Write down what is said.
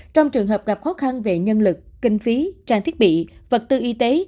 trong trường hợp gặp khó khăn về nhân lực kinh phí trang thiết bị vật tư y tế